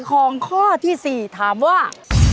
ของข้อที่๔ถามว่า